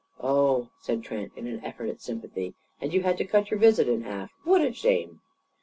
"Oh!" said Trent, in an effort at sympathy. "And you had to cut your visit in half? What a shame!"